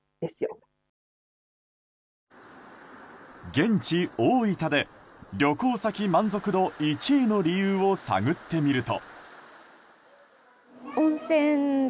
現地、大分で旅行先満足度１位の理由を探ってみると。